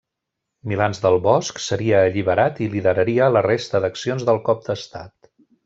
Milans del Bosch seria alliberat i lideraria la resta d'accions del cop d'Estat.